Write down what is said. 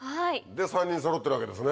で３人そろってるわけですね？